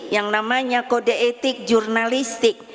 yang namanya kode etik jurnalistik